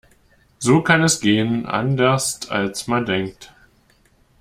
So kann es gehen. Anderst als man denkt.